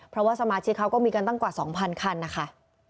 เพราะว่าสมาชิกเขาก็มีกันตั้งกว่า๒๐๐คันนะคะ